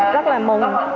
rất là mừng